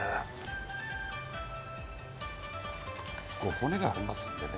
骨がありますのでね。